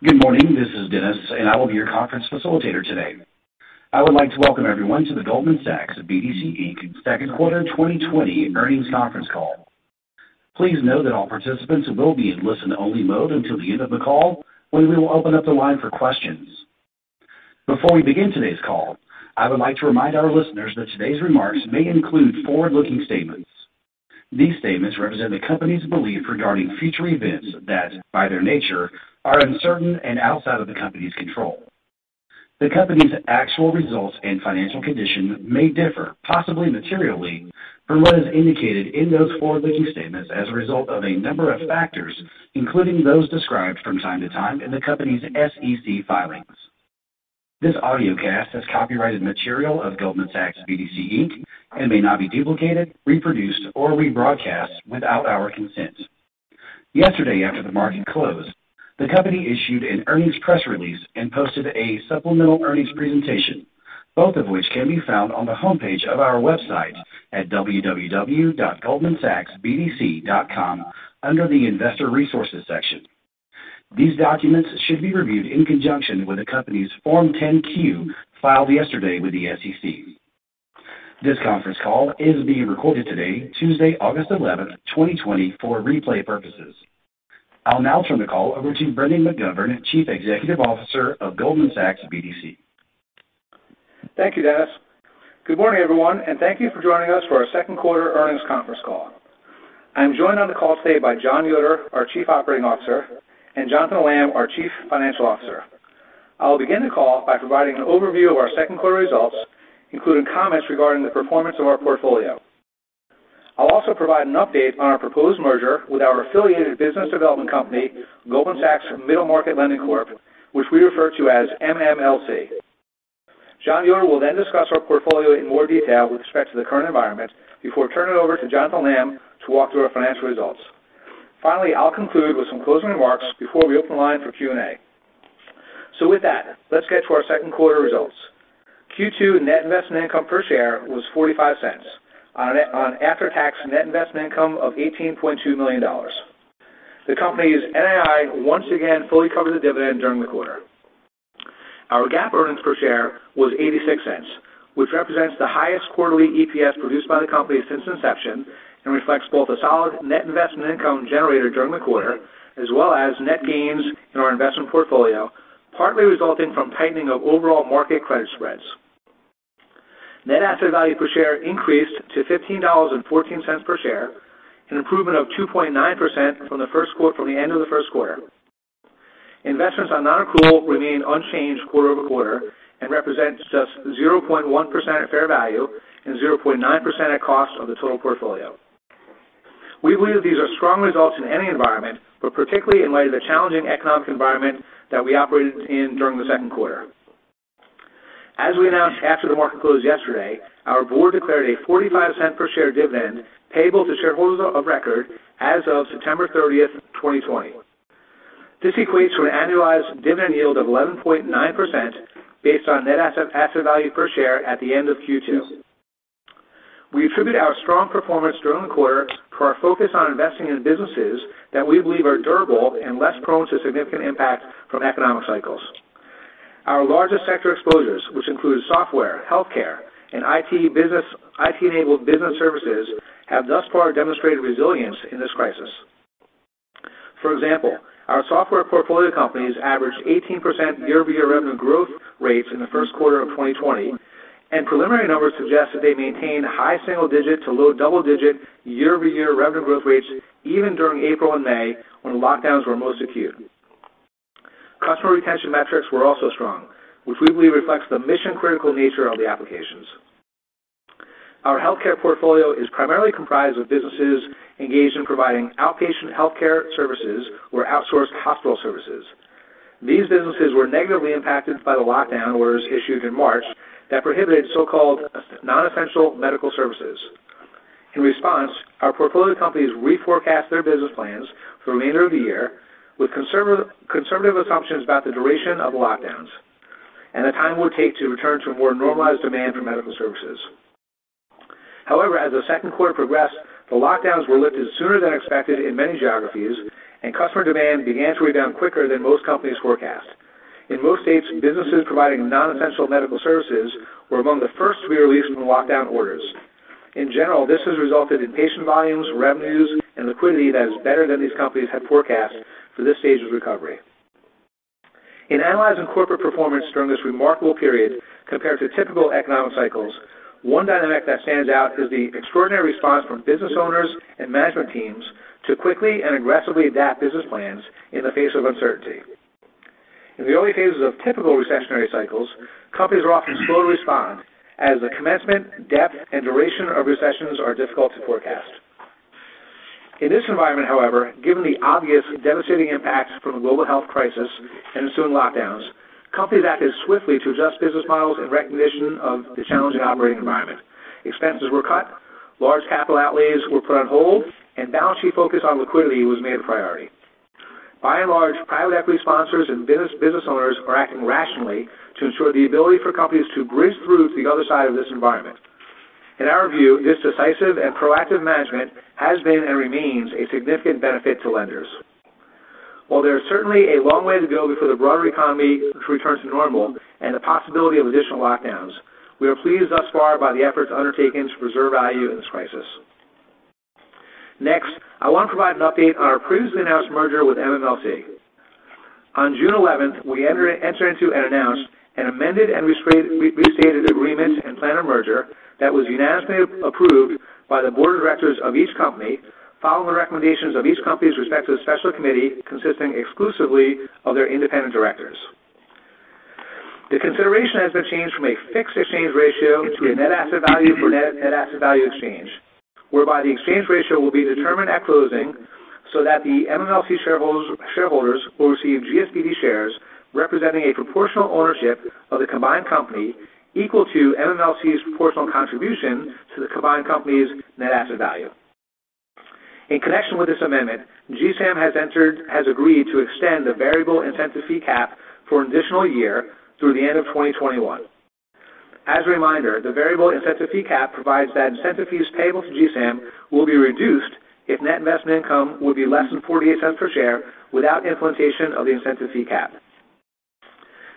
Good morning, this is Dennis, and I will be your conference facilitator today. I would like to welcome everyone to the Goldman Sachs BDC Second Quarter 2020 earnings conference call. Please note that all participants will be in listen-only mode until the end of the call, when we will open up the line for questions. Before we begin today's call, I would like to remind our listeners that today's remarks may include forward-looking statements. These statements represent the company's belief regarding future events that, by their nature, are uncertain and outside of the company's control. The company's actual results and financial condition may differ, possibly materially, from what is indicated in those forward-looking statements as a result of a number of factors, including those described from time to time in the company's SEC filings. This audio cast has copyrighted material of Goldman Sachs BDC. and may not be duplicated, reproduced, or rebroadcast without our consent. Yesterday, after the market closed, the company issued an earnings press release and posted a supplemental earnings presentation, both of which can be found on the homepage of our website at www.goldmansachsbdc.com under the Investor Resources section. These documents should be reviewed in conjunction with the company's Form 10-Q filed yesterday with the SEC. This conference call is being recorded today, Tuesday, August 11, 2020, for replay purposes. I'll now turn the call over to Brendan McGovern, Chief Executive Officer of Goldman Sachs BDC. Thank you, Dennis. Good morning, everyone, and thank you for joining us for our Second Quarter earnings conference call. I'm joined on the call today by John Yoder, our Chief Operating Officer, and Jonathan Lamb, our Chief Financial Officer. I'll begin the call by providing an overview of our Second Quarter Results, including comments regarding the performance of our portfolio. I'll also provide an update on our proposed merger with our affiliated business development company, Goldman Sachs Middle Market Lending Corp, which we refer to as MMLC. John Yoder will then discuss our portfolio in more detail with respect to the current environment before turning it over to Jonathan Lamb to walk through our financial results. Finally, I'll conclude with some closing remarks before we open the line for Q&A. With that, let's get to our Second Quarter results. Q2 net investment income per share was $0.45, on after-tax net investment income of $18.2 million. The company's NII once again fully covered the dividend during the quarter. Our GAAP earnings per share was $0.86, which represents the highest quarterly EPS produced by the company since inception and reflects both a solid net investment income generated during the quarter as well as net gains in our investment portfolio, partly resulting from tightening of overall market credit spreads. Net asset value per share increased to $15.14 per share, an improvement of 2.9% from the end of the first quarter. Investments on non-accrual remain unchanged quarter over quarter and represent just 0.1% at fair value and 0.9% at cost of the total portfolio. We believe these are strong results in any environment, but particularly in light of the challenging economic environment that we operated in during the second quarter. As we announced after the market closed yesterday, our board declared a $0.45 per share dividend payable to shareholders of record as of September 30, 2020. This equates to an annualized dividend yield of 11.9% based on net asset value per share at the end of Q2. We attribute our strong performance during the quarter to our focus on investing in businesses that we believe are durable and less prone to significant impact from economic cycles. Our largest sector exposures, which include software, healthcare, and IT-enabled business services, have thus far demonstrated resilience in this crisis. For example, our software portfolio companies averaged 18% year-over-year revenue growth rates in the first quarter of 2020, and preliminary numbers suggest that they maintain high single-digit to low double-digit year-over-year revenue growth rates even during April and May when lockdowns were most acute. Customer retention metrics were also strong, which we believe reflects the mission-critical nature of the applications. Our healthcare portfolio is primarily comprised of businesses engaged in providing outpatient healthcare services or outsourced hospital services. These businesses were negatively impacted by the lockdown orders issued in March that prohibited so-called non-essential medical services. In response, our portfolio companies re-forecast their business plans for the remainder of the year with conservative assumptions about the duration of the lockdowns and the time it would take to return to a more normalized demand for medical services. However, as the second quarter progressed, the lockdowns were lifted sooner than expected in many geographies, and customer demand began to rebound quicker than most companies forecast. In most states, businesses providing non-essential medical services were among the first to be released from lockdown orders. In general, this has resulted in patient volumes, revenues, and liquidity that is better than these companies had forecast for this stage of recovery. In analyzing corporate performance during this remarkable period compared to typical economic cycles, one dynamic that stands out is the extraordinary response from business owners and management teams to quickly and aggressively adapt business plans in the face of uncertainty. In the early phases of typical recessionary cycles, companies are often slow to respond as the commencement, depth, and duration of recessions are difficult to forecast. In this environment, however, given the obvious devastating impacts from the global health crisis and ensuing lockdowns, companies acted swiftly to adjust business models in recognition of the challenging operating environment. Expenses were cut, large capital outlays were put on hold, and balance sheet focus on liquidity was made a priority. By and large, private equity sponsors and business owners are acting rationally to ensure the ability for companies to bridge through to the other side of this environment. In our view, this decisive and proactive management has been and remains a significant benefit to lenders. While there is certainly a long way to go before the broader economy returns to normal and the possibility of additional lockdowns, we are pleased thus far by the efforts undertaken to preserve value in this crisis. Next, I want to provide an update on our previously announced merger with MMLC. On June 11, we entered into and announced an amended and restated agreement and plan of merger that was unanimously approved by the board of directors of each company, following the recommendations of each company's respective special committee consisting exclusively of their independent directors. The consideration has been changed from a fixed exchange ratio to a net asset value per net asset value exchange, whereby the exchange ratio will be determined at closing so that the MMLC shareholders will receive GSBD shares representing a proportional ownership of the combined company equal to MMLC's proportional contribution to the combined company's net asset value. In connection with this amendment, GSAM has agreed to extend the variable incentive fee cap for an additional year through the end of 2021. As a reminder, the variable incentive fee cap provides that incentive fees payable to GSAM will be reduced if net investment income would be less than $0.48 per share without implementation of the incentive fee cap.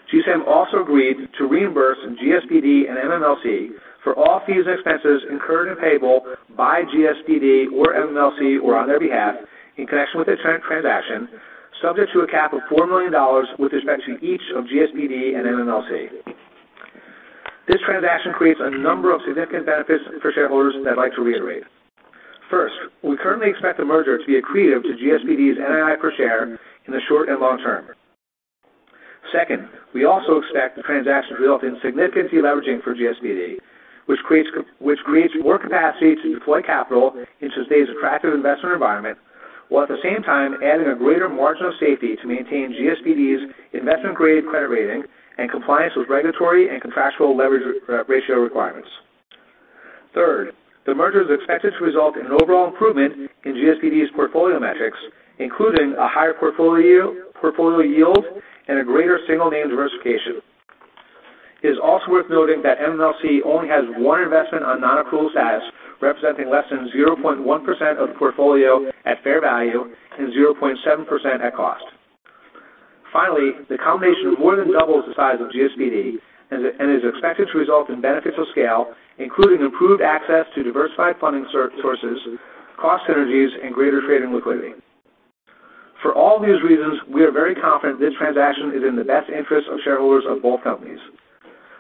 GSAM also agreed to reimburse GSBD and MMLC for all fees and expenses incurred and payable by GSBD or MMLC or on their behalf in connection with a transaction subject to a cap of $4 million with respect to each of GSBD and MMLC. This transaction creates a number of significant benefits for shareholders that I'd like to reiterate. First, we currently expect the merger to be accretive to GSBD's NII per share in the short and long term. Second, we also expect the transaction to result in significant fee leveraging for GSBD, which creates more capacity to deploy capital into today's attractive investment environment while at the same time adding a greater margin of safety to maintain GSBD's investment-grade credit rating and compliance with regulatory and contractual leverage ratio requirements. Third, the merger is expected to result in an overall improvement in GSBD's portfolio metrics, including a higher portfolio yield and a greater single-name diversification. It is also worth noting that MMLC only has one investment on non-accrual status representing less than 0.1% of the portfolio at fair value and 0.7% at cost. Finally, the combination more than doubles the size of GSBD and is expected to result in benefits of scale, including improved access to diversified funding sources, cost synergies, and greater trading liquidity. For all these reasons, we are very confident this transaction is in the best interest of shareholders of both companies.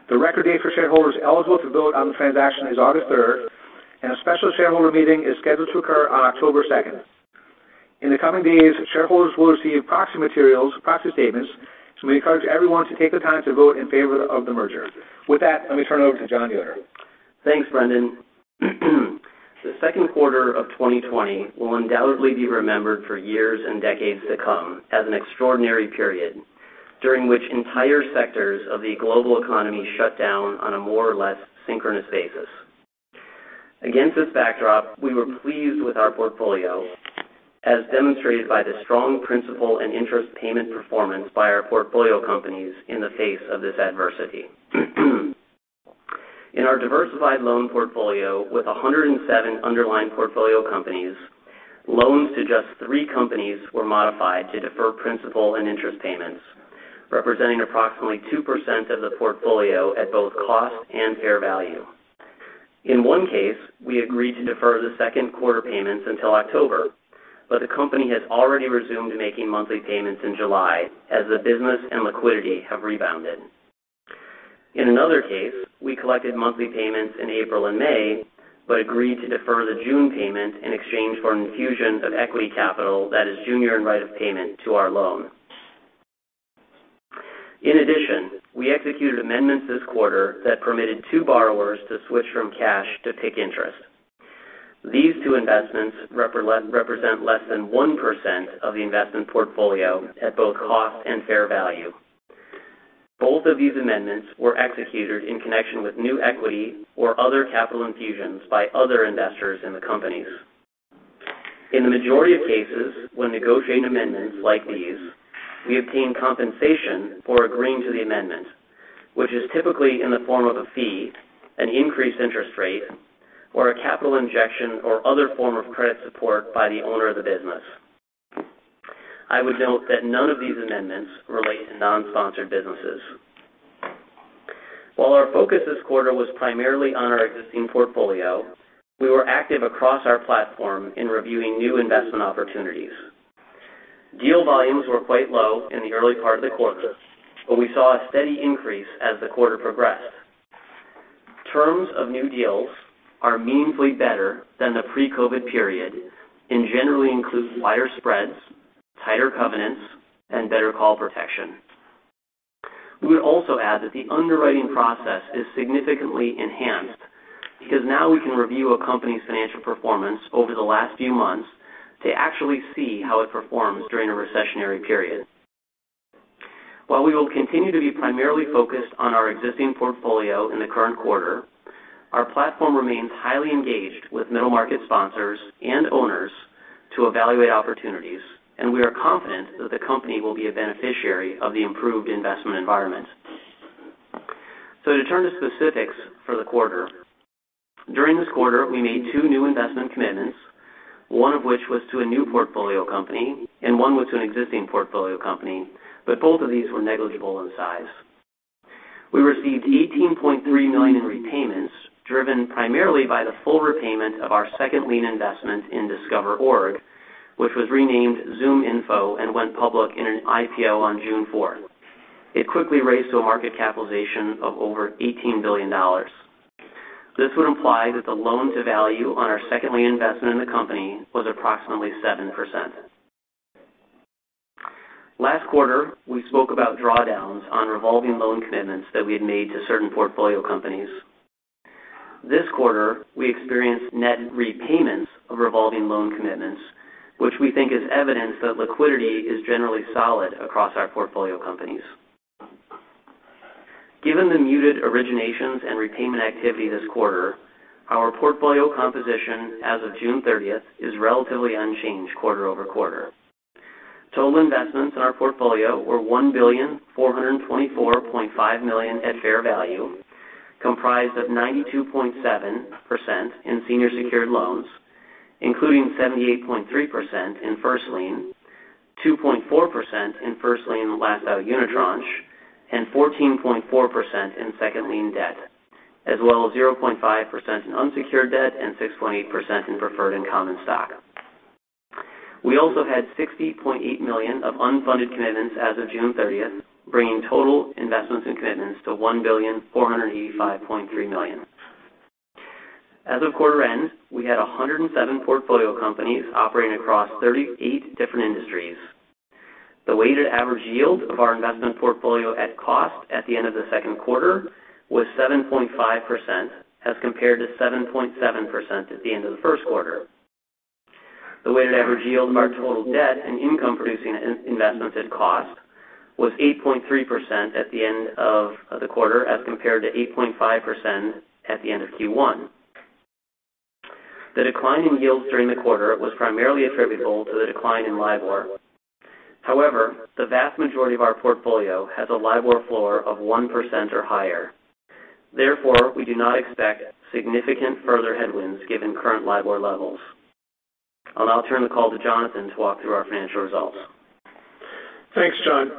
The record date for shareholders eligible to vote on the transaction is August 3, and a special shareholder meeting is scheduled to occur on October 2. In the coming days, shareholders will receive proxy materials, proxy statements, and we encourage everyone to take the time to vote in favor of the merger. With that, let me turn it over to John Yoder. Thanks, Brendan. The second quarter of 2020 will undoubtedly be remembered for years and decades to come as an extraordinary period during which entire sectors of the global economy shut down on a more or less synchronous basis. Against this backdrop, we were pleased with our portfolio, as demonstrated by the strong principal and interest payment performance by our portfolio companies in the face of this adversity. In our diversified loan portfolio with 107 underlying portfolio companies, loans to just three companies were modified to defer principal and interest payments, representing approximately 2% of the portfolio at both cost and fair value. In one case, we agreed to defer the second quarter payments until October, but the company has already resumed making monthly payments in July as the business and liquidity have rebounded. In another case, we collected monthly payments in April and May but agreed to defer the June payment in exchange for an infusion of equity capital that is junior in right of payment to our loan. In addition, we executed amendments this quarter that permitted two borrowers to switch from cash to pick interest. These two investments represent less than 1% of the investment portfolio at both cost and fair value. Both of these amendments were executed in connection with new equity or other capital infusions by other investors in the companies. In the majority of cases when negotiating amendments like these, we obtain compensation for agreeing to the amendment, which is typically in the form of a fee, an increased interest rate, or a capital injection or other form of credit support by the owner of the business. I would note that none of these amendments relate to non-sponsored businesses. While our focus this quarter was primarily on our existing portfolio, we were active across our platform in reviewing new investment opportunities. Deal volumes were quite low in the early part of the quarter, but we saw a steady increase as the quarter progressed. Terms of new deals are meaningfully better than the pre-COVID period and generally include wider spreads, tighter covenants, and better call protection. We would also add that the underwriting process is significantly enhanced because now we can review a company's financial performance over the last few months to actually see how it performs during a recessionary period. While we will continue to be primarily focused on our existing portfolio in the current quarter, our platform remains highly engaged with middle market sponsors and owners to evaluate opportunities, and we are confident that the company will be a beneficiary of the improved investment environment. To turn to specifics for the quarter, during this quarter, we made two new investment commitments, one of which was to a new portfolio company and one was to an existing portfolio company, but both of these were negligible in size. We received $18.3 million in repayments driven primarily by the full repayment of our second lien investment in Discover Org, which was renamed ZoomInfo and went public in an IPO on June 4. It quickly raised to a market capitalization of over $18 billion. This would imply that the loan-to-value on our second lien investment in the company was approximately 7%. Last quarter, we spoke about drawdowns on revolving loan commitments that we had made to certain portfolio companies. This quarter, we experienced net repayments of revolving loan commitments, which we think is evidence that liquidity is generally solid across our portfolio companies. Given the muted originations and repayment activity this quarter, our portfolio composition as of June 30 is relatively unchanged quarter over quarter. Total investments in our portfolio were $1,424.5 million at fair value, comprised of 92.7% in senior secured loans, including 78.3% in first lien, 2.4% in first lien last out unit tranche, and 14.4% in second lien debt, as well as 0.5% in unsecured debt and 6.8% in preferred and common stock. We also had $60.8 million of unfunded commitments as of June 30, bringing total investments and commitments to $1,485.3 million. As of quarter end, we had 107 portfolio companies operating across 38 different industries. The weighted average yield of our investment portfolio at cost at the end of the second quarter was 7.5% as compared to 7.7% at the end of the first quarter. The weighted average yield of our total debt and income-producing investments at cost was 8.3% at the end of the quarter as compared to 8.5% at the end of Q1. The decline in yields during the quarter was primarily attributable to the decline in Libor. However, the vast majority of our portfolio has a Libor floor of 1% or higher. Therefore, we do not expect significant further headwinds given current Libor levels. I'll now turn the call to Jonathan to walk through our financial results. Thanks, John.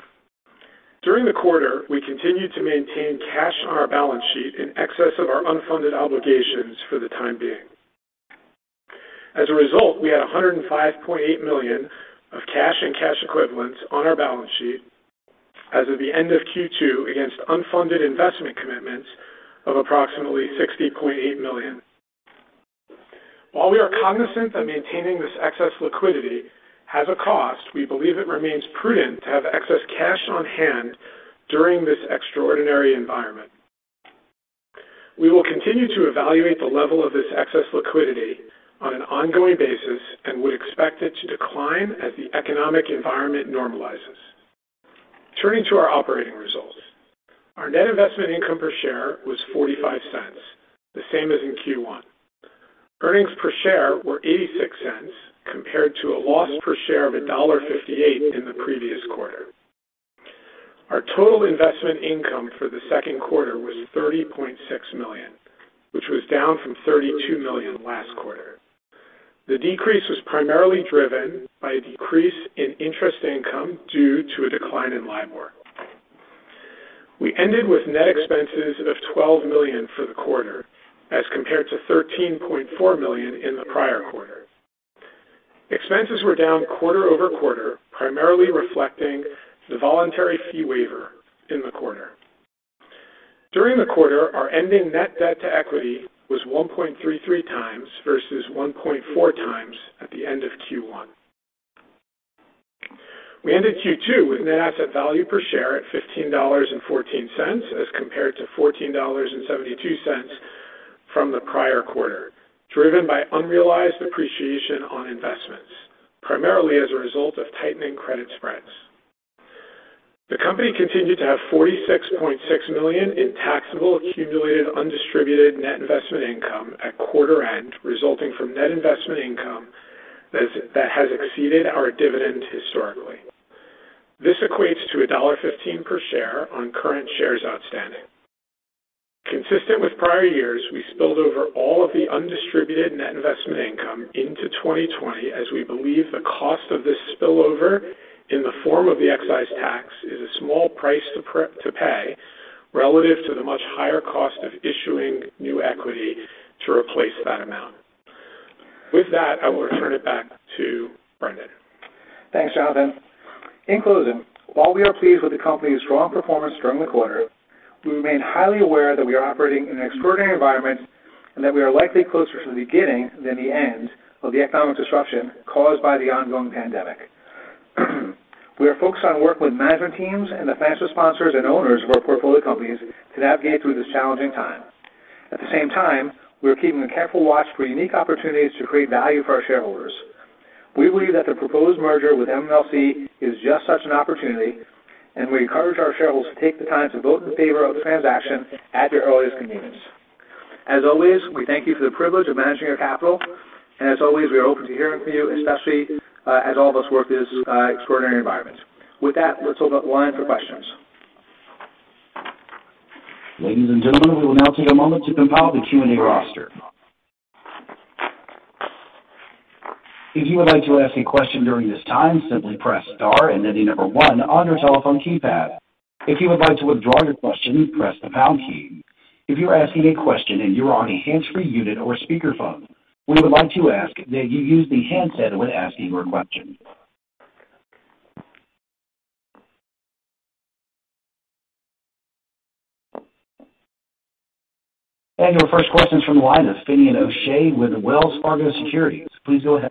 During the quarter, we continued to maintain cash on our balance sheet in excess of our unfunded obligations for the time being. As a result, we had $105.8 million of cash and cash equivalents on our balance sheet as of the end of Q2 against unfunded investment commitments of approximately $60.8 million. While we are cognizant that maintaining this excess liquidity has a cost, we believe it remains prudent to have excess cash on hand during this extraordinary environment. We will continue to evaluate the level of this excess liquidity on an ongoing basis and would expect it to decline as the economic environment normalizes. Turning to our operating results, our net investment income per share was $0.45, the same as in Q1. Earnings per share were $0.86 compared to a loss per share of $1.58 in the previous quarter. Our total investment income for the second quarter was $30.6 million, which was down from $32 million last quarter. The decrease was primarily driven by a decrease in interest income due to a decline in Libor. We ended with net expenses of $12 million for the quarter as compared to $13.4 million in the prior quarter. Expenses were down quarter over quarter, primarily reflecting the voluntary fee waiver in the quarter. During the quarter, our ending net debt to equity was 1.33 times versus 1.4 times at the end of Q1. We ended Q2 with net asset value per share at $15.14 as compared to $14.72 from the prior quarter, driven by unrealized appreciation on investments, primarily as a result of tightening credit spreads. The company continued to have $46.6 million in taxable accumulated undistributed net investment income at quarter end resulting from net investment income that has exceeded our dividend historically. This equates to $1.15 per share on current shares outstanding. Consistent with prior years, we spilled over all of the undistributed net investment income into 2020 as we believe the cost of this spillover in the form of the excise tax is a small price to pay relative to the much higher cost of issuing new equity to replace that amount. With that, I will return it back to Brendan. Thanks, Jonathan. In closing, while we are pleased with the company's strong performance during the quarter, we remain highly aware that we are operating in an extraordinary environment and that we are likely closer to the beginning than the end of the economic disruption caused by the ongoing pandemic. We are focused on work with management teams and the financial sponsors and owners of our portfolio companies to navigate through this challenging time. At the same time, we are keeping a careful watch for unique opportunities to create value for our shareholders. We believe that the proposed merger with MMLC is just such an opportunity, and we encourage our shareholders to take the time to vote in favor of the transaction at their earliest convenience. As always, we thank you for the privilege of managing your capital, and as always, we are open to hearing from you, especially as all of us work in this extraordinary environment. With that, let's open up the line for questions. Ladies and gentlemen, we will now take a moment to compile the Q&A roster. If you would like to ask a question during this time, simply press star and then the number one on your telephone keypad. If you would like to withdraw your question, press the pound key. If you're asking a question and you're on a hands-free unit or speakerphone, we would like to ask that you use the handset when asking your question. Your first question is from Finnie O'Shea with Wells Fargo Securities. Please go ahead.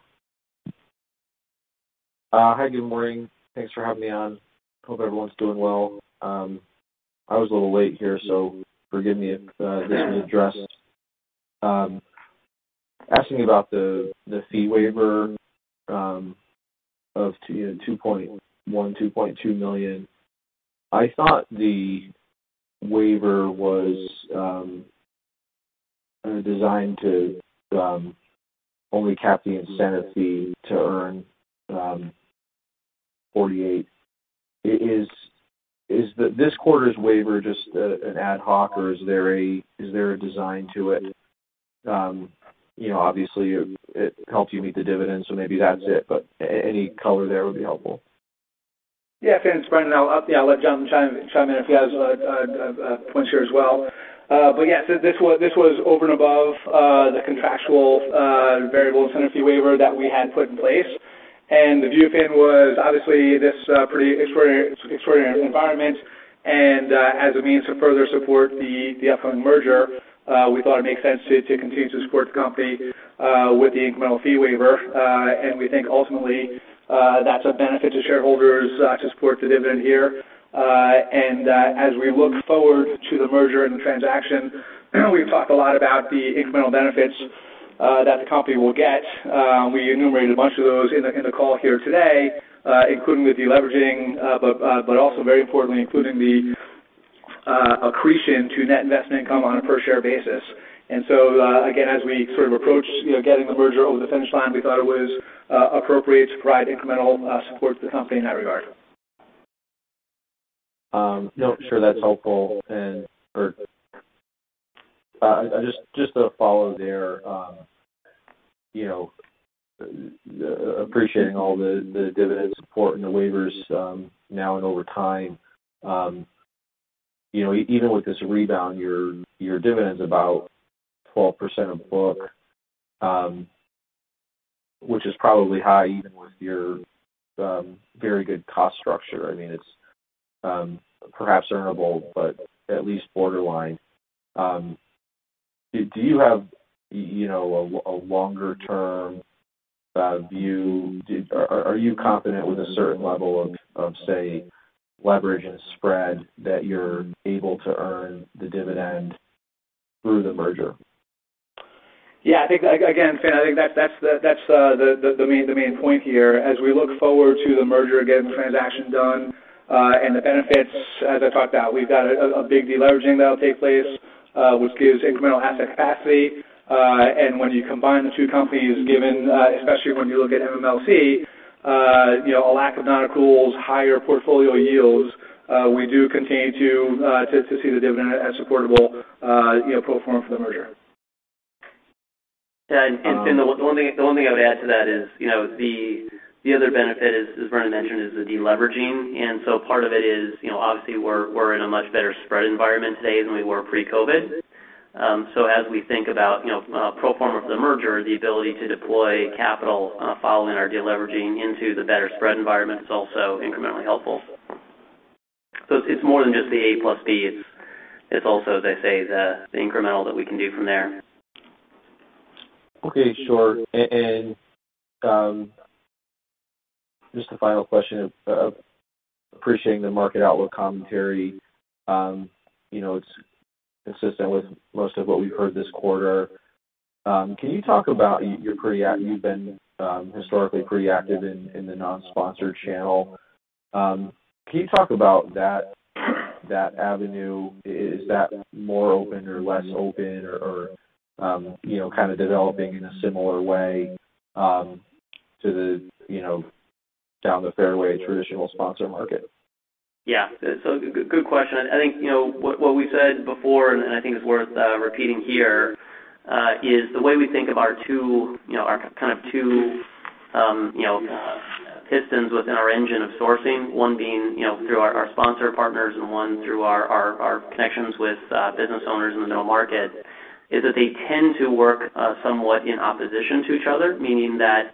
Hi, good morning. Thanks for having me on. Hope everyone's doing well. I was a little late here, so forgive me if this was addressed. Asking about the fee waiver of $2.1-$2.2 million, I thought the waiver was designed to only cap the incentive fee to earn $0.48. Is this quarter's waiver just an ad hoc, or is there a design to it? Obviously, it helped you meet the dividend, so maybe that's it, but any color there would be helpful. Yeah, thanks, Brendan. I'll let Jon chime in if he has points here as well. This was over and above the contractual variable incentive fee waiver that we had put in place. The view of it was obviously this pretty extraordinary environment, and as a means to further support the upcoming merger, we thought it made sense to continue to support the company with the incremental fee waiver. We think ultimately that's a benefit to shareholders to support the dividend here. As we look forward to the merger and the transaction, we've talked a lot about the incremental benefits that the company will get. We enumerated a bunch of those in the call here today, including with the leveraging, but also very importantly, including the accretion to net investment income on a per-share basis. As we sort of approached getting the merger over the finish line, we thought it was appropriate to provide incremental support to the company in that regard. No, sure, that's helpful. Just to follow there, appreciating all the dividend support and the waivers now and over time. Even with this rebound, your dividend's about 12% of book, which is probably high even with your very good cost structure. I mean, it's perhaps earnable, but at least borderline. Do you have a longer-term view? Are you confident with a certain level of, say, leverage and spread that you're able to earn the dividend through the merger? Yeah, I think, again, Finn, I think that's the main point here. As we look forward to the merger again, the transaction done, and the benefits, as I talked about, we've got a big deleveraging that'll take place, which gives incremental asset capacity. When you combine the two companies, given, especially when you look at MMLC, a lack of non-accruals, higher portfolio yields, we do continue to see the dividend as supportable proform for the merger. Yeah, and Finn, the one thing I would add to that is the other benefit, as Brendan mentioned, is the deleveraging. Part of it is, obviously, we're in a much better spread environment today than we were pre-COVID. As we think about pro forma for the merger, the ability to deploy capital following our deleveraging into the better spread environment is also incrementally helpful. It is more than just the A plus B. It is also, as I say, the incremental that we can do from there. Okay, sure. Just a final question, appreciating the market outlook commentary. It's consistent with most of what we've heard this quarter. Can you talk about you've been historically pretty active in the non-sponsored channel. Can you talk about that avenue? Is that more open or less open or kind of developing in a similar way to the down the fairway traditional sponsor market? Yeah, good question. I think what we said before, and I think it's worth repeating here, is the way we think of our kind of two pistons within our engine of sourcing, one being through our sponsor partners and one through our connections with business owners in the middle market, is that they tend to work somewhat in opposition to each other, meaning that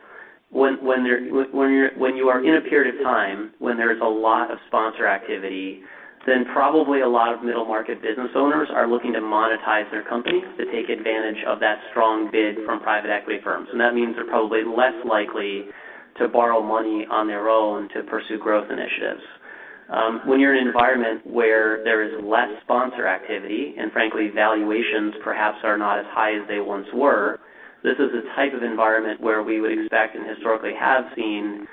when you are in a period of time when there is a lot of sponsor activity, probably a lot of middle market business owners are looking to monetize their companies to take advantage of that strong bid from private equity firms. That means they're probably less likely to borrow money on their own to pursue growth initiatives. When you're in an environment where there is less sponsor activity, and frankly, valuations perhaps are not as high as they once were, this is the type of environment where we would expect and historically have seen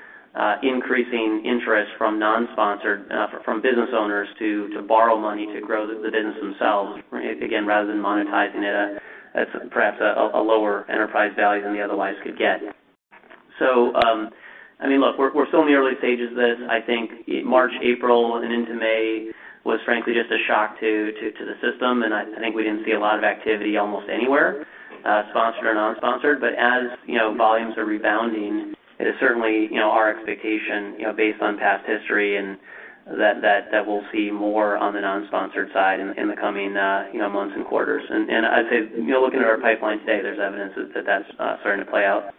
increasing interest from business owners to borrow money to grow the business themselves, again, rather than monetizing it at perhaps a lower enterprise value than they otherwise could get. I mean, look, we're still in the early stages of this. I think March, April, and into May was frankly just a shock to the system, and I think we didn't see a lot of activity almost anywhere, sponsored or non-sponsored. As volumes are rebounding, it is certainly our expectation based on past history that we'll see more on the non-sponsored side in the coming months and quarters. I would say looking at our pipeline today, there's evidence that that's starting to play out.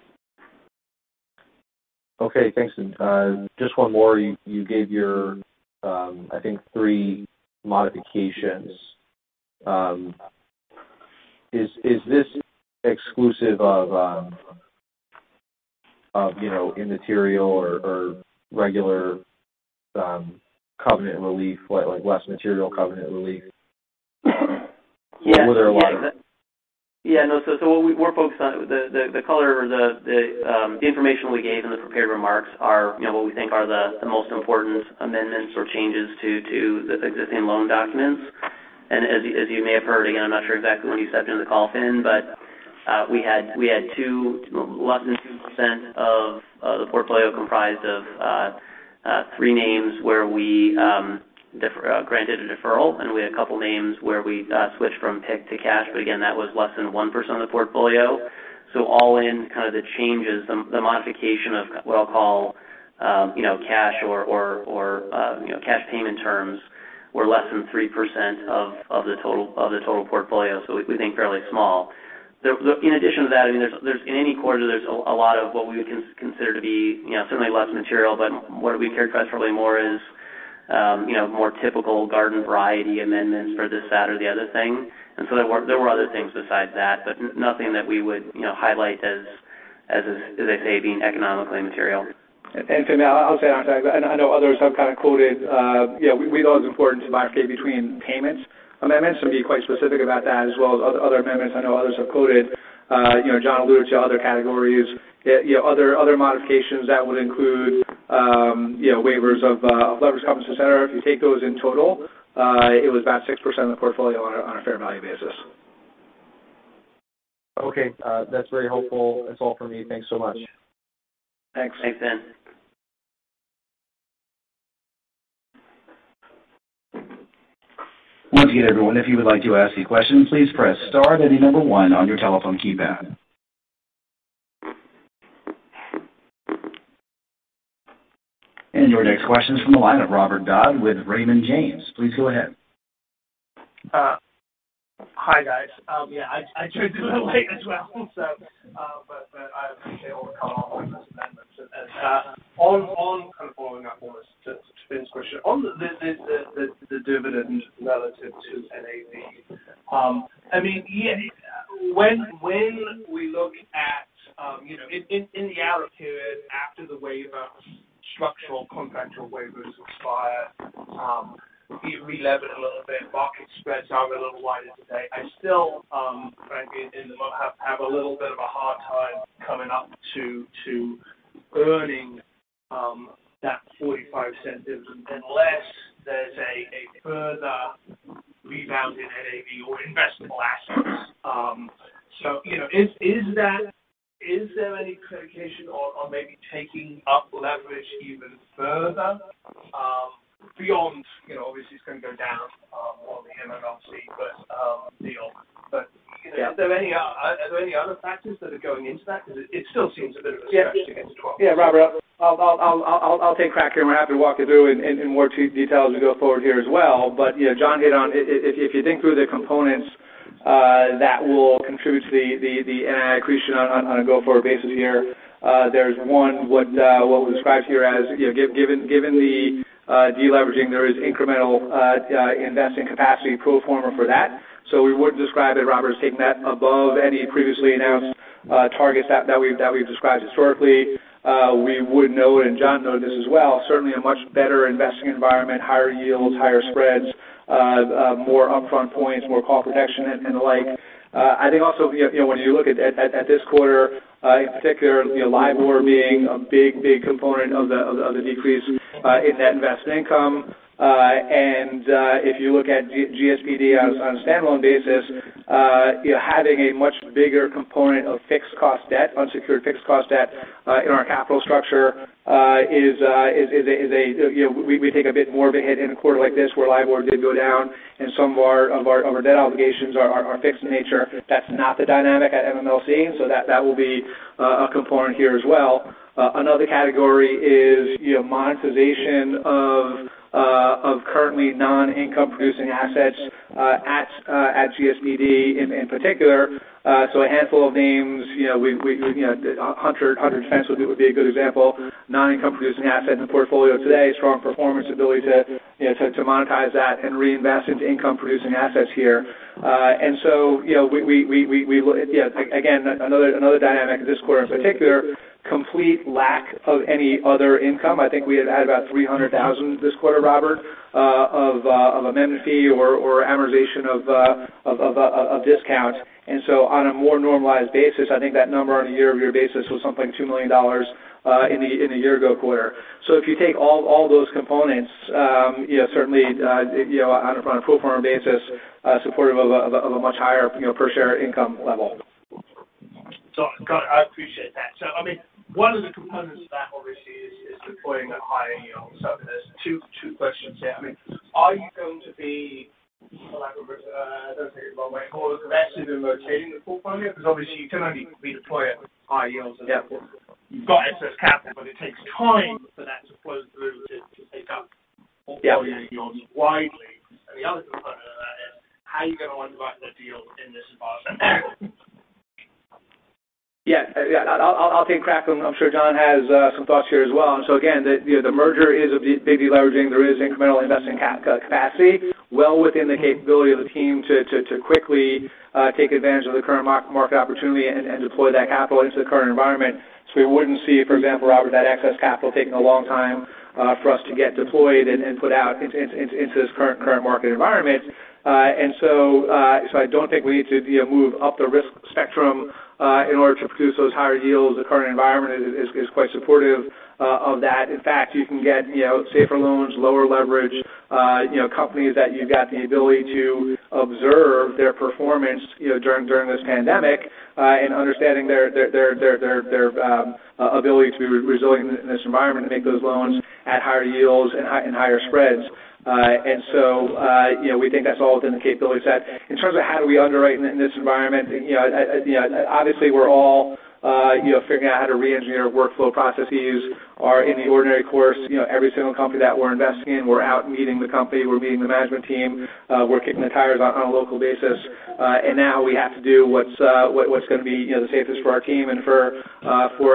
Okay, thanks. Just one more. You gave your, I think, three modifications. Is this exclusive of immaterial or regular covenant relief, like less material covenant relief? Yeah. Were there a lot of? Yeah, no, what we're focused on, the color, the information we gave in the prepared remarks are what we think are the most important amendments or changes to the existing loan documents. As you may have heard, again, I'm not sure exactly when you stepped into the call, Finn, but we had less than 2% of the portfolio comprised of three names where we granted a deferral, and we had a couple of names where we switched from PIC to cash, but again, that was less than 1% of the portfolio. All in, the changes, the modification of what I'll call cash or cash payment terms were less than 3% of the total portfolio, so we think fairly small. In addition to that, I mean, in any quarter, there's a lot of what we would consider to be certainly less material, but what we characterize probably more as more typical garden variety amendments for this, that, or the other thing. There were other things besides that, but nothing that we would highlight as, as I say, being economically material. Finn, I'll say on that, and I know others have kind of quoted, yeah, we thought it was important to barricade between payments. Amendments and be quite specific about that as well as other amendments. I know others have quoted, John alluded to other categories, other modifications that would include waivers of leverage compensation etc. If you take those in total, it was about 6% of the portfolio on a fair value basis. Okay, that's very helpful. That's all for me. Thanks so much. Thanks. Thanks, Finn. Once again, everyone, if you would like to ask a question, please press star and then number one on your telephone keypad. Your next question is from the line of Robert Dodd with Raymond James. Please go ahead. Hi guys. Yeah, I joined a little late as well, but I appreciate all the calls and those amendments. I mean, on kind of following up almost to Finn's question, on the dividend relative to NAV, I mean, when we look at in the outer period after the waiver, structural contractual waivers expire, we lever it a little bit, market spreads are a little wider today. I still, frankly, have a little bit of a hard time coming up to earning that $0.45 dividend unless there's a further rebound in NAV or investable assets. Is there any predication on maybe taking up leverage even further beyond, obviously, it's going to go down more on the MMLC, but are there any other factors that are going into that? Because it still seems a bit of a stretch to get to 12%. Yeah, Robert. I'll take a crack here. I'm happy to walk you through in more detail as we go forward here as well. John hit on, if you think through the components that will contribute to the NI accretion on a go-forward basis here, there's one, what we described here as, given the deleveraging, there is incremental investing capacity pro forma for that. We would describe it, Robert, as taking that above any previously announced targets that we've described historically. We would note, and John noted this as well, certainly a much better investing environment, higher yields, higher spreads, more upfront points, more call protection, and the like. I think also when you look at this quarter, in particular, Libor being a big, big component of the decrease in net invested income. If you look at GSBD on a standalone basis, having a much bigger component of fixed cost debt, unsecured fixed cost debt in our capital structure, we take a bit more of a hit in a quarter like this where Libor did go down, and some of our debt obligations are fixed in nature. That is not the dynamic at MMLC, so that will be a component here as well. Another category is monetization of currently non-income producing assets at GSBD in particular. A handful of names, Hunter Defense would be a good example, non-income producing asset in the portfolio today, strong performance, ability to monetize that and reinvest into income producing assets here. We look at, again, another dynamic in this quarter in particular, complete lack of any other income. I think we had about $300,000 this quarter, Robert, of amendment fee or amortization of discount. On a more normalized basis, I think that number on a year-over-year basis was something like $2 million in the year-ago quarter. If you take all those components, certainly on a pro forma basis, supportive of a much higher per-share income level. I appreciate that. I mean, one of the components of that, obviously, is deploying at higher yields. There are two questions here. I mean, are you going to be, for lack of a better way, more aggressive in rotating the portfolio? Because obviously, you can only redeploy at high yields and therefore you've got excess capital. It takes time for that to flow through to take up all your yields widely. The other component of that is how are you going to underwrite the deal in this environment? Yeah, I'll take a crack. I'm sure John has some thoughts here as well. The merger is of the big deleveraging. There is incremental investing capacity well within the capability of the team to quickly take advantage of the current market opportunity and deploy that capital into the current environment. We wouldn't see, for example, Robert, that excess capital taking a long time for us to get deployed and put out into this current market environment. I don't think we need to move up the risk spectrum in order to produce those higher yields. The current environment is quite supportive of that. In fact, you can get safer loans, lower leverage, companies that you've got the ability to observe their performance during this pandemic and understanding their ability to be resilient in this environment and make those loans at higher yields and higher spreads. We think that's all within the capability set. In terms of how do we underwrite in this environment, obviously, we're all figuring out how to re-engineer workflow processes. In the ordinary course, every single company that we're investing in, we're out meeting the company. We're meeting the management team. We're kicking the tires on a local basis. Now we have to do what's going to be the safest for our team and for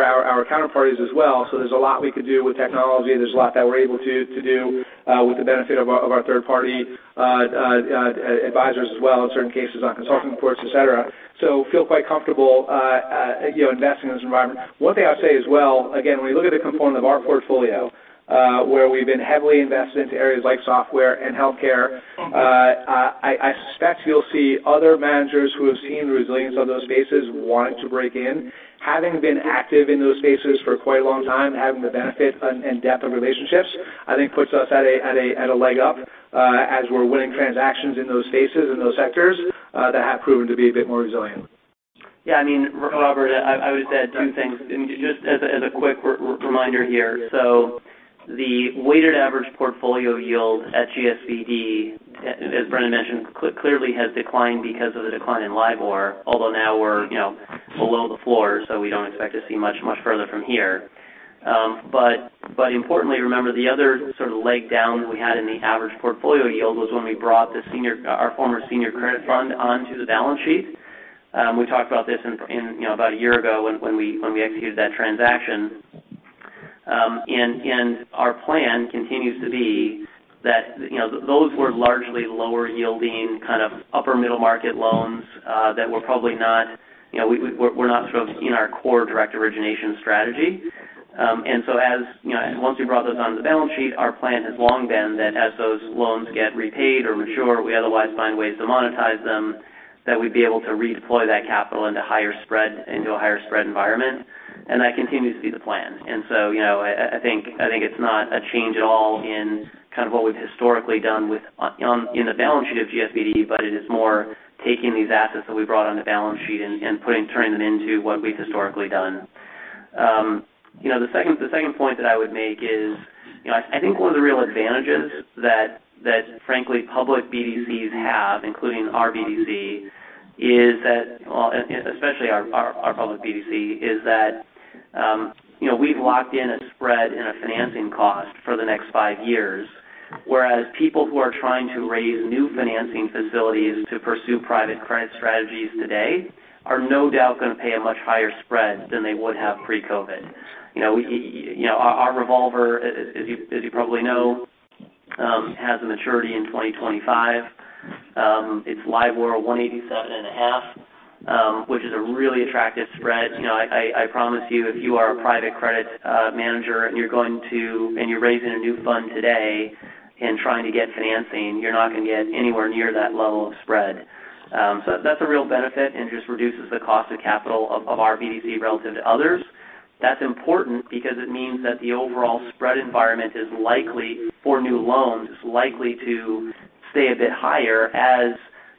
our counterparties as well. There is a lot we could do with technology. There is a lot that we're able to do with the benefit of our third-party advisors as well in certain cases on consulting reports, etc. We feel quite comfortable investing in this environment. One thing I'll say as well, again, when you look at the component of our portfolio, where we've been heavily invested into areas like software and healthcare, I suspect you'll see other managers who have seen the resilience of those spaces wanting to break in. Having been active in those spaces for quite a long time, having the benefit and depth of relationships, I think puts us at a leg up as we're winning transactions in those spaces and those sectors that have proven to be a bit more resilient. Yeah, I mean, Robert, I would just add two things. Just as a quick reminder here, the weighted average portfolio yield at GSBD, as Brendan mentioned, clearly has declined because of the decline in Libor, although now we're below the floor, so we don't expect to see much further from here. Importantly, remember the other sort of leg down that we had in the average portfolio yield was when we brought our former senior credit fund onto the balance sheet. We talked about this about a year ago when we executed that transaction. Our plan continues to be that those were largely lower yielding kind of upper middle market loans that were probably not, were not sort of in our core direct origination strategy. Once we brought those onto the balance sheet, our plan has long been that as those loans get repaid or mature, we otherwise find ways to monetize them, that we'd be able to redeploy that capital into a higher spread environment. That continues to be the plan. I think it's not a change at all in kind of what we've historically done in the balance sheet of GSBD, but it is more taking these assets that we brought on the balance sheet and turning them into what we've historically done. The second point that I would make is I think one of the real advantages that, frankly, public BDCs have, including our BDC, is that, especially our public BDC, we've locked in a spread and a financing cost for the next five years, whereas people who are trying to raise new financing facilities to pursue private credit strategies today are no doubt going to pay a much higher spread than they would have pre-COVID. Our revolver, as you probably know, has a maturity in 2025. It's Libor 187 and a half, which is a really attractive spread. I promise you, if you are a private credit manager and you're raising a new fund today and trying to get financing, you're not going to get anywhere near that level of spread. That's a real benefit and just reduces the cost of capital of our BDC relative to others. That's important because it means that the overall spread environment is likely for new loans is likely to stay a bit higher as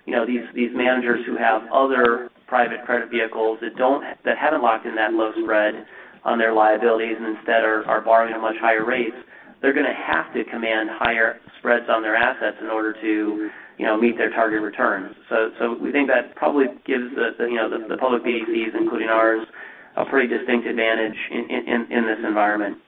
these managers who have other private credit vehicles that haven't locked in that low spread on their liabilities and instead are borrowing at much higher rates, they're going to have to command higher spreads on their assets in order to meet their target returns. We think that probably gives the public BDCs, including ours, a pretty distinct advantage in this environment.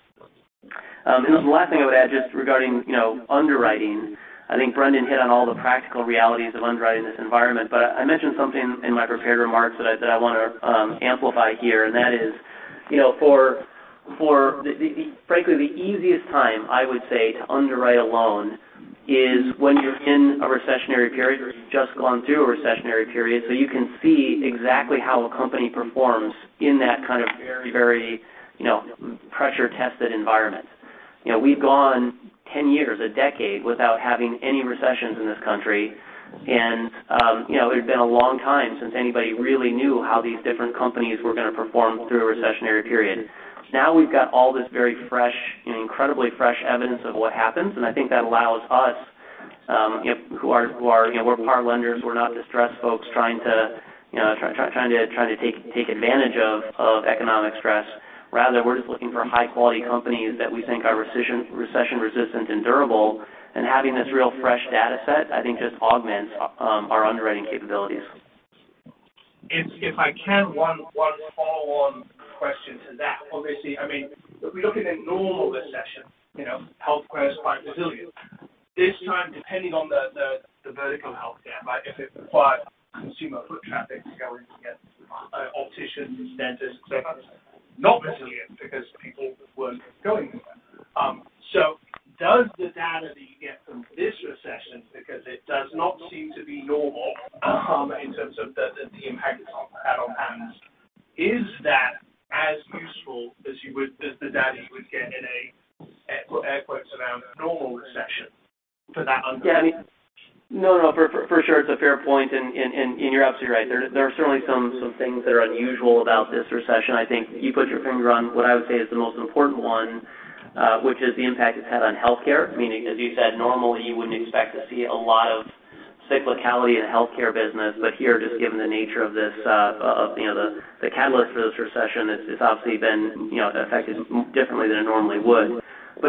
The last thing I would add just regarding underwriting, I think Brendan hit on all the practical realities of underwriting this environment, but I mentioned something in my prepared remarks that I want to amplify here, and that is for, frankly, the easiest time, I would say, to underwrite a loan is when you're in a recessionary period or you've just gone through a recessionary period so you can see exactly how a company performs in that kind of very, very pressure-tested environment. We've gone 10 years, a decade without having any recessions in this country, and it had been a long time since anybody really knew how these different companies were going to perform through a recessionary period. Now we've got all this very fresh, incredibly fresh evidence of what happens, and I think that allows us, who are, we're par lenders, we're not distressed folks trying to take advantage of economic stress. Rather, we're just looking for high-quality companies that we think are recession-resistant and durable, and having this real fresh data set, I think, just augments our underwriting capabilities. If I can, one follow-on question to that. Obviously, I mean, if we look at a normal recession, healthcare is quite resilient. This time, depending on the vertical healthcare, right, if it required consumer foot traffic to go in and get opticians, dentists, etc., it's not resilient because people weren't going anywhere. Does the data that you get from this recession, because it does not seem to be normal in terms of the impact it's had on hands, is that as useful as the data you would get in a, air quotes, "normal recession" for that underwriting? No, no. For sure, it's a fair point, and you're absolutely right. There are certainly some things that are unusual about this recession. I think you put your finger on what I would say is the most important one, which is the impact it's had on healthcare. I mean, as you said, normally you wouldn't expect to see a lot of cyclicality in the healthcare business, but here, just given the nature of this, the catalyst for this recession, it's obviously been affected differently than it normally would.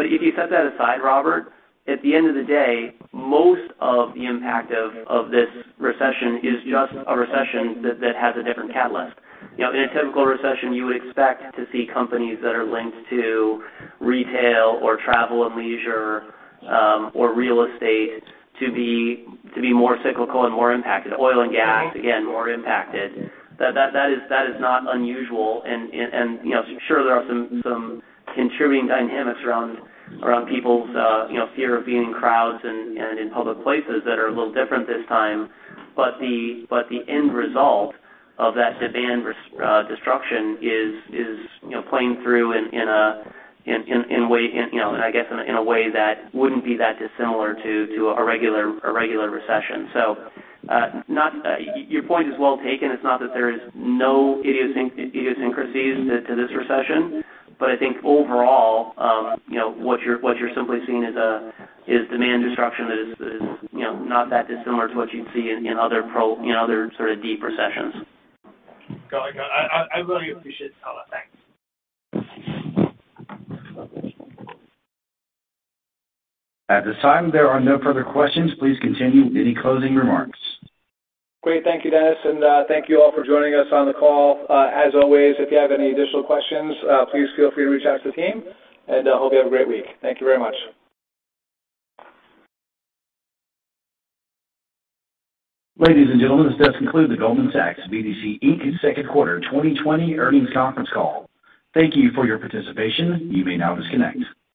If you set that aside, Robert, at the end of the day, most of the impact of this recession is just a recession that has a different catalyst. In a typical recession, you would expect to see companies that are linked to retail or travel and leisure or real estate to be more cyclical and more impacted. Oil and gas, again, more impacted. That is not unusual, and sure, there are some contributing dynamics around people's fear of being in crowds and in public places that are a little different this time, but the end result of that demand destruction is playing through in a, I guess, in a way that would not be that dissimilar to a regular recession. Your point is well taken. It is not that there are no idiosyncrasies to this recession, but I think overall, what you are simply seeing is demand destruction that is not that dissimilar to what you would see in other sort of deep recessions. Got it. Got it. I really appreciate the time. Thanks. At this time, there are no further questions. Please continue with any closing remarks. Great. Thank you, Dennis. Thank you all for joining us on the call. As always, if you have any additional questions, please feel free to reach out to the team, and I hope you have a great week. Thank you very much. Ladies and gentlemen, this does conclude the Goldman Sachs BDC Second Quarter 2020 Earnings Conference Call. Thank you for your participation. You may now disconnect.